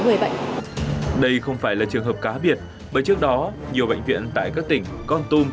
ngay tại đây không phải là trường hợp cá biệt bởi trước đó nhiều bệnh viện tại các tỉnh con tum